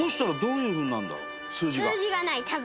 達哉君：数字がない、多分。